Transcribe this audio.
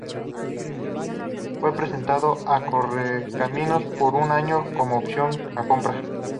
Fue prestado a Correcaminos por un año con opción a compra.